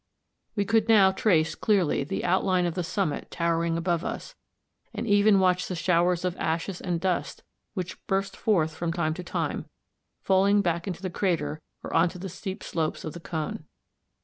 We could now trace clearly the outline of the summit towering above us, and even watch the showers of ashes and dust which burst forth from time to time, falling back into the crater, or on to the steep slopes of the cone.